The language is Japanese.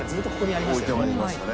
置いてはいましたね。